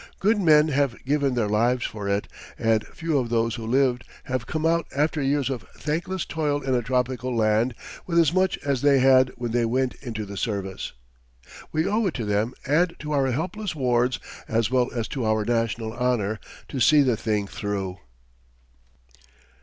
Good men have given their lives for it, and few of those who lived have come out after years of thankless toil in a tropical land, with as much as they had when they went into the service. We owe it to them and to our helpless wards, as well as to our national honour, to see the thing through.